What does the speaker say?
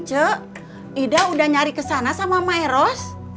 cuk ida udah nyari kesana sama mairos